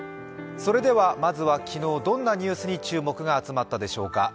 それではまずは昨日どんなニュースに注目が集まったでしょうか。